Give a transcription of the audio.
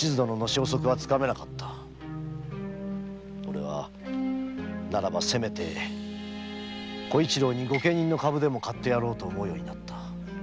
おれはならばせめて小一郎に御家人の株でも買ってやろうと思うようになった。